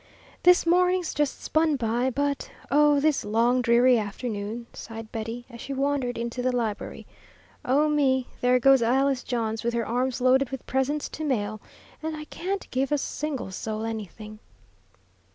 "This morning's just spun by, but, oh, this long, dreary afternoon!" sighed Betty, as she wandered into the library. "Oh, me, there goes Alice Johns with her arms loaded with presents to mail, and I can't give a single soul anything!"